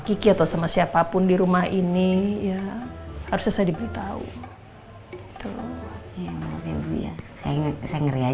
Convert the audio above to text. kiki atau sama siapapun di rumah ini ya harusnya saya diberitahu itu ya saya ngeri